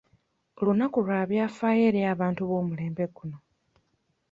Olunaku lwa byafaayo eri abantu b'omulembe guno.